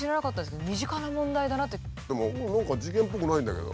でも何か事件っぽくないんだけど。